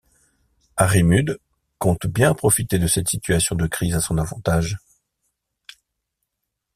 Harry Mudd compte bien profiter de cette situation de crise à son avantage.